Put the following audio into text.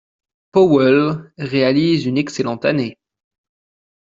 Powell réalise une excellente année.